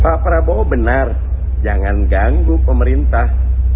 pak prabowo benar jangan ganggu pemerintah